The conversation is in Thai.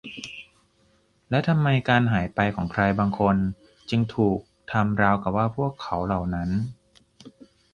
และทำไมการหายไปของใครบางคนจึงถูกทำราวกับว่าพวกเขาเหล่านั้น